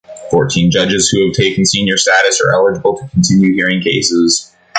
Fourteen judges who have taken senior status are eligible to continue hearing cases.